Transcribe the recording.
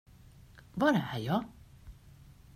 Var är jag?